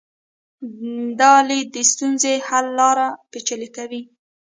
دا لید د ستونزې حل لا پیچلی کوي.